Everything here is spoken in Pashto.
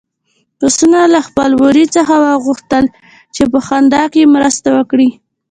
پسونو له خپل وري څخه وغوښتل چې په خندا کې مرسته وکړي.